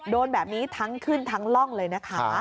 โดนแบบนี้ทั้งขึ้นทั้งร่องเลยนะคะ